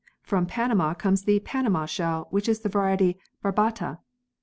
From Panama comes the "Panama" shell, which is the variety barbata.